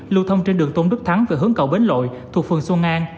lưu thông trên đường tôn đức thắng về hướng cầu bến lội thuộc phường xuân an